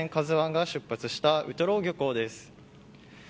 ＫＡＺＵ１が出発したウトロ漁港です。